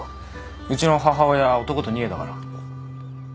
うちの母親男と逃げたから。